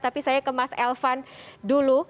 tapi saya ke mas elvan dulu